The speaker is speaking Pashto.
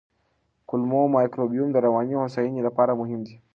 کولمو مایکروبیوم د رواني هوساینې لپاره مهم دی.